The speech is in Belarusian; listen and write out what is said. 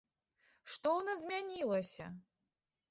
Што ў нас змянілася?